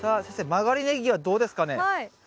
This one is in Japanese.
曲がりネギはどうですかね？